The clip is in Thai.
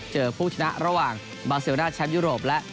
ผู้ชนะระหว่างบาเซลน่าแชมป์ยุโรปและ